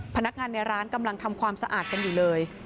พนักงานในร้านกำลังทำความสะอาดกันอยู่เลย